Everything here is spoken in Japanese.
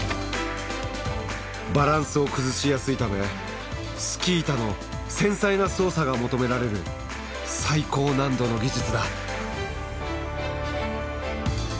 バランスを崩しやすいためスキー板の繊細な操作が求められる最高難度の技術だ。